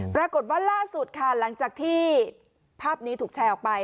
ปรากฏว่าล่าสุดค่ะหลังจากที่ภาพนี้ถูกแชร์ออกไป